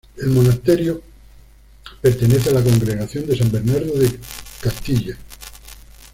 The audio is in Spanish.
El monasterio pertenece a la Congregación de San Bernardo de Castilla.